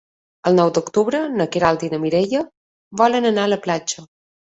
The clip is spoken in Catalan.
El nou d'octubre na Queralt i na Mireia volen anar a la platja.